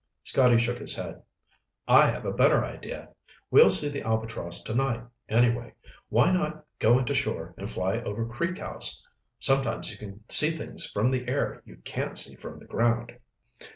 Scotty shook his head. "I have a better idea. We'll see the Albatross tonight, anyway. Why not go into shore and fly over Creek House? Sometimes you can see things from the air you can't see from the ground."